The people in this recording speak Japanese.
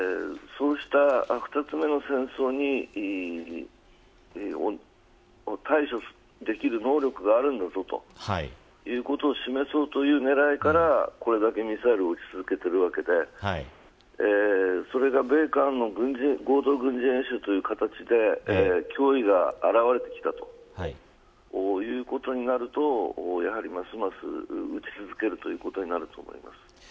そうした２つ目の戦争に対処できる能力があるんだぞということを示そうという狙いからこれだけミサイルを撃ち続けていてそれが米韓の合同軍事演習という形で脅威が現れてきたということになるとますます打ち続けることになると思います。